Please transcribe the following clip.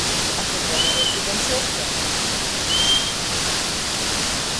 კათედრა და რეზიდენცია თიანეთში.